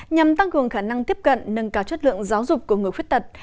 nhằm tăng cường khả năng tiếp cận nâng cao chất lượng giáo dục của người khuyết tật